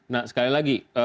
nah sekali lagi